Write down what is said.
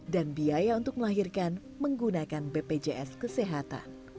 dan biaya untuk melahirkan menggunakan bpjs kesehatan